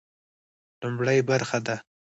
لومړۍ برخه ده.